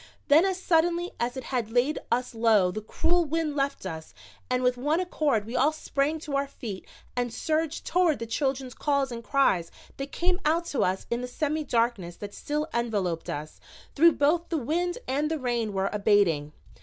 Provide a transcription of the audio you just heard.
Then as suddenly as it had laid us low the cruel wind left us and with one accord we all sprang to our feet and surged toward the children's calls and cries that came out to us in the semi darkness that still enveloped us, though both the wind and the rain were abating.